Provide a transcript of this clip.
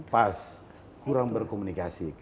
pas kurang berkomunikasi